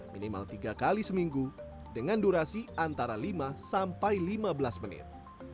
minimal tiga kali seminggu dengan durasi antara lima sampai lima belas menit